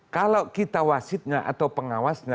kalau kita wasitnya atau pengawasnya